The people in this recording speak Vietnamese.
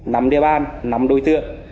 nắm địa bàn nắm đối tượng